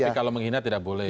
tapi kalau menghina tidak boleh